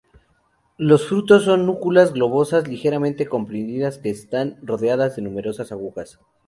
Los frutos son núculas globosas ligeramente comprimidas que están rodeadas de numerosas agujas.